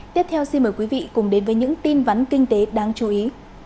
tiếp theo xin mời quý vị cùng đến với những tin vắn kinh tế đáng chú ý